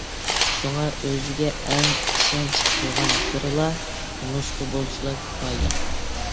شۇڭا ئۆزىگە ئەڭ ئىشەنچ قىلغان بىرلا نۇسخا بولسىلا كۇپايە.